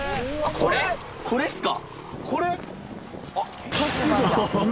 これっすか？